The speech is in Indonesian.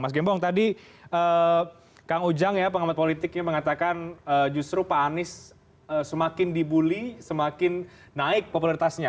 mas gembong tadi kang ujang ya pengamat politiknya mengatakan justru pak anies semakin dibully semakin naik popularitasnya